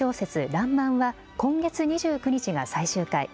らんまんは今月２９日が最終回。